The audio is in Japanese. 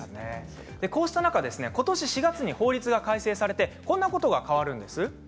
こうした中、今年４月に法律が改正されてこんなことが変わるんです。